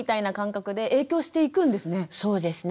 そうですね。